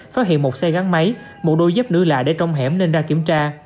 phát hiện một xe gắn máy một đôi dép nữ lại để trong hẻm nên ra kiểm tra